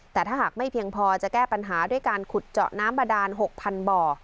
แต่ถ้าหากไม่เพียงพอจะแก้ปัญหาด้วยการขุดเจาะน้ำบาดาน๖๐๐บ่อ